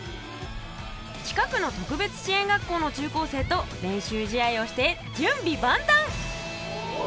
近くの特別支援学校の中高生と練習試合をしてじゅんびばんたん！